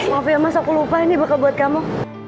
maaf ya mas aku lupa ini bakal buat kamu